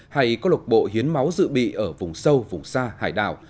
hay có lộc bộ hiến máu dự bị ở vùng sâu vùng xa hải đảo